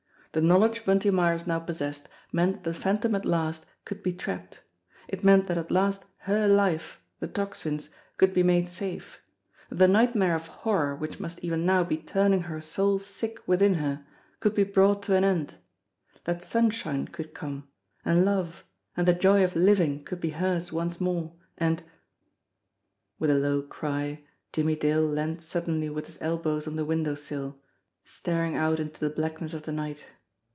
The knowledge Bunty Myers now possessed meant that the Phantom at last could be trapped ; it meant that at last her life, the Tocsin's, could be made safe ; that the nightmare of horror which must even now be turning her soul sick within her could be brought to an end; that sunshine could come, and love and the joy of living could be hers once more, and With a low cry, Jimmie Dale leaned suddenly with his elbows on the window sill, staring out into the blackness of the night.